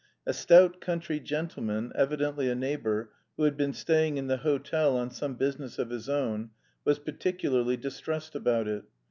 A stout country gentleman, evidently a neighbour, who had been staying in the hotel on some business of his own, was particularly distressed about it.